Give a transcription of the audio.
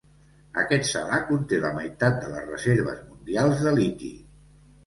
Aquest Salar conté la meitat de les reserves mundials de liti.